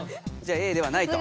「Ａ」ではないと。